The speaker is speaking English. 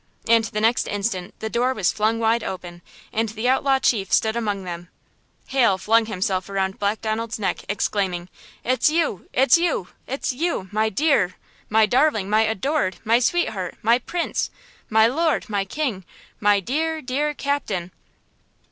And the next instant the door was flung wide open, and the outlaw chief stood among them! Hal flung himself around Black Donald's neck, exclaiming: "It's you–it's you–it's you!–my dear, my darling–my adored–my sweetheart–my prince!–my lord!–my king!–my dear, dear captain!"